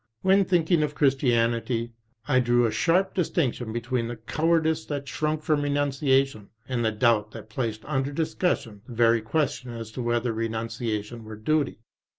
When thinking of Christianity, I drew a sharp distinction between the coward ice that shrunk from renunciation and the doubt that placed under discussion the very question as to whether renuncia tion were duty.